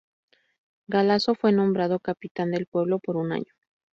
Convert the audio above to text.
Galeazzo fue nombrado "capitán del pueblo" por un año.